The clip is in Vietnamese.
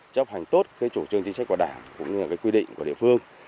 chấp hành tốt cái chủ trương chính sách của đảng cũng như là cái quy định của địa phương